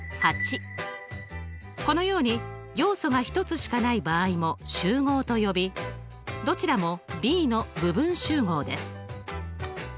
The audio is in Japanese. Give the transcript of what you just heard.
このように要素が１つしかない場合も集合と呼びどちらもＢの部分集合です。